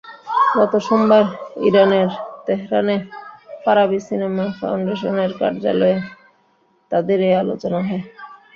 গত সোমবার ইরানের তেহরানে ফারাবি সিনেমা ফাউন্ডেশনের কার্যালয়ে তাঁদের এই আলোচনা হয়।